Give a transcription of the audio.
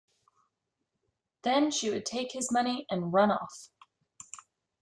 Then she would take his money and run off.